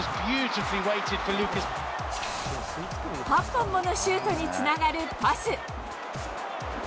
８本ものシュートにつながるパス。